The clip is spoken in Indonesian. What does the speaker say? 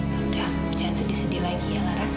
sudah jangan sedih sedih lagi ya lara